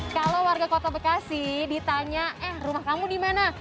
kalau warga kota bekasi ditanya eh rumah kamu dimana